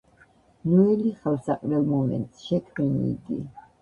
ნუ ელი ხელსაყრელ მომენტს, შექმენი იგი.